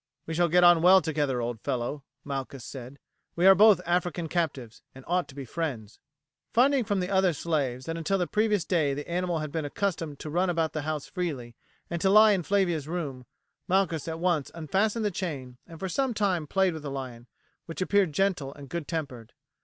"We shall get on well together, old fellow," Malchus said. "We are both African captives, and ought to be friends." Finding from the other slaves that until the previous day the animal had been accustomed to run about the house freely and to lie in Flavia's room, Malchus at once unfastened the chain and for some time played with the lion, which appeared gentle and good tempered.